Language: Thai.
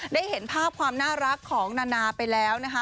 ได้เห็นภาพความน่ารักของนานาไปแล้วนะคะ